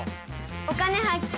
「お金発見」。